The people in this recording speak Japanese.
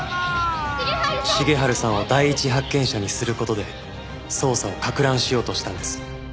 重治さんを第一発見者にする事で捜査を攪乱しようとしたんです。